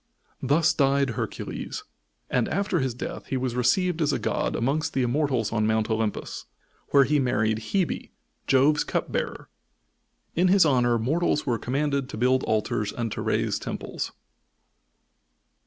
Thus died Hercules, and after his death he was received as a god amongst the Immortals on Mount Olympus, where he married Hebe, Jove's cupbearer. In his honor mortals were commanded to build altars and to raise temples.